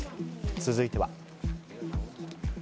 続いては。